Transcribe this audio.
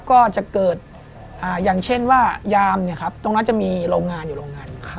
ก็จะเกิดอย่างเช่นว่ายามตรงนั้นจะมีโรงงานอยู่โรงงาน